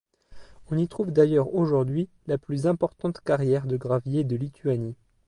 On y trouve d'ailleurs aujourd'hui la plus importante carrière de graviers de Lituanie.